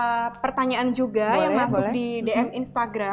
ada pertanyaan juga yang masuk di dm instagram